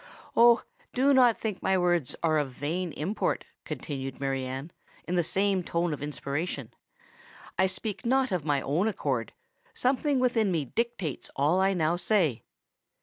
"Oh! do not think my words are of vain import," continued Mary Anne, in the same tone of inspiration. "I speak not of my own accord—something within me dictates all I now say!